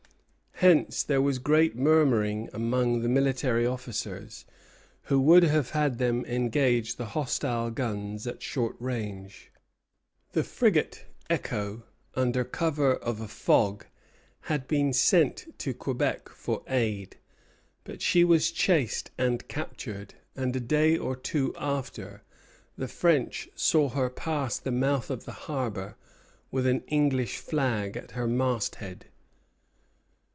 Hence there was great murmuring among the military officers, who would have had them engage the hostile guns at short range. The frigate "Écho," under cover of a fog, had been sent to Quebec for aid; but she was chased and captured; and, a day or two after, the French saw her pass the mouth of the harbor with an English flag at her mast head.